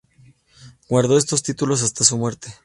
Guardó estos títulos hasta su muerte.